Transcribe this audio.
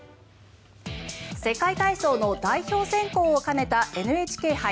世界体操の代表選考を兼ねたＮＨＫ杯。